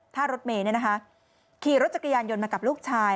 ท่ารถเมย์ขี่รถจักรยานยนต์มากับลูกชาย